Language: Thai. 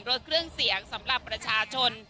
รถเครื่องเสียงสำหรับประชาชน